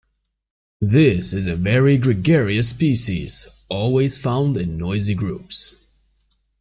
This is a very gregarious species, always found in noisy groups.